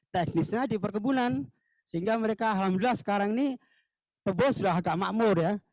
teknisnya di perkebunan sehingga mereka alhamdulillah sekarang ini tebu sudah agak makmur ya